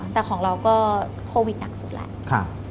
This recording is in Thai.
แต่ของเราก็โควิดหนักสุดแล้ว